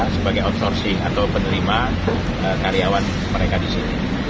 sebagai outsourcing atau penerima karyawan mereka di sini